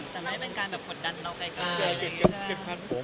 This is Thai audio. แต่ไม่เป็นการผ่อนดันเราไกลกัน